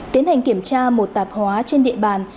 tiến hành kiểm tra một tạp hóa trên địa bàn